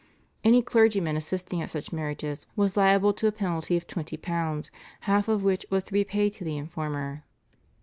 Any clergyman assisting at such marriages was liable to a penalty of £20, half of which was to be paid to the informer.